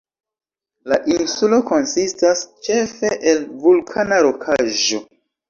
La insulo konsistas ĉefe el vulkana rokaĵo.